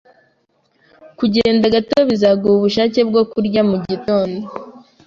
Kugenda gato bizaguha ubushake bwo kurya mugitondo